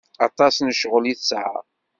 Aṭas n ccɣel i tesɛa.